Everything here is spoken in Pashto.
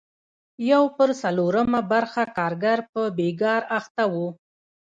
یو پر څلورمه برخه کارګر په بېګار اخته وو.